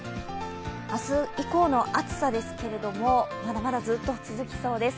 明日以降の暑さですけれどもまだまだずっと続きそうです。